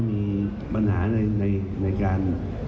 มีปัญหาในการ